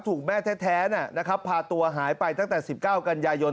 ถูกแม่แท้พาตัวหายไปตั้งแต่๑๙กันยายน